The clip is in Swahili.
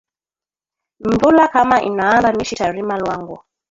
Nvula kama inanza mishita rima lwangu